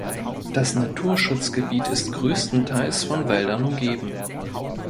Das Naturschutzgebiet ist größtenteils von Wäldern umgeben.